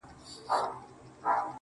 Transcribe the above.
نن: سیاه پوسي ده.